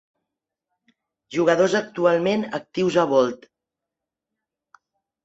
Jugadors actualment actius a Bold.